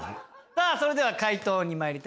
さあそれでは解答にまいりたいと思います。